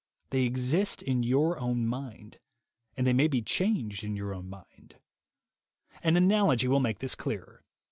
They exist in your own mind, and they may be changed in your own mind. An analogy may make this clearer.